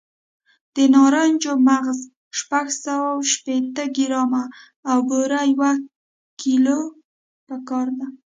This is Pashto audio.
د نارنجو مغز شپږ سوه شپېته ګرامه او بوره یو کیلو پکار دي.